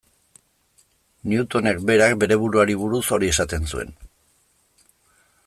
Newtonek berak bere buruari buruz hori esaten zuen.